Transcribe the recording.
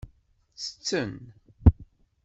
Ttetten.